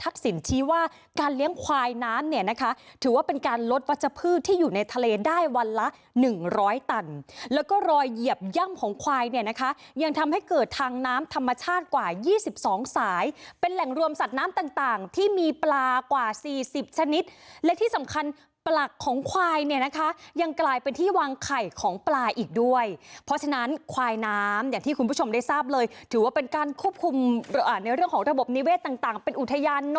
ควายเนี่ยนะคะยังทำให้เกิดทางน้ำธรรมชาติกว่ายี่สิบสองสายเป็นแหล่งรวมสัตว์น้ำต่างต่างที่มีปลากว่าสี่สิบชนิดและที่สำคัญปลักของควายเนี่ยนะคะยังกลายเป็นที่วางไข่ของปลาอีกด้วยเพราะฉะนั้นควายน้ำอย่างที่คุณผู้ชมได้ทราบเลยถือว่าเป็นการควบคุมอ่าในเรื่องของระบบนิเวศต